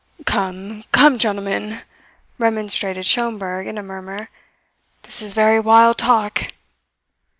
"Come, come gentlemen," remonstrated Schomberg, in a murmur. "This is very wild talk!"